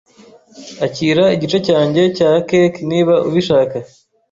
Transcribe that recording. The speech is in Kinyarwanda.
Akira igice cyanjye cya cake niba ubishaka.